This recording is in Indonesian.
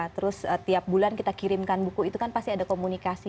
terus setiap bulan kita kirimkan buku itu kan pasti ada komunikasi